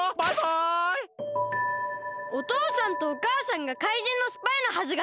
おとうさんとおかあさんが怪人のスパイのはずがない！